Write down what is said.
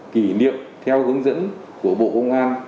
kỷ niệm theo hướng dẫn của bộ công an